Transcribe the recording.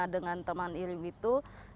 dengan taman iring witu